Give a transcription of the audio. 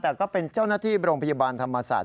แต่ก็เป็นเจ้าหน้าที่โรงพยาบาลธรรมศาสตร์